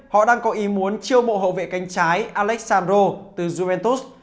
họ đang có ý muốn chiêu bộ hậu vệ canh trái alexandro từ juventus